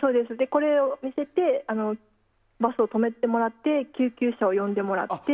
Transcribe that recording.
これを見せてバスを止めてもらって救急車を呼んでもらって。